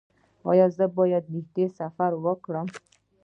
ایا زه باید نږدې سفر وکړم؟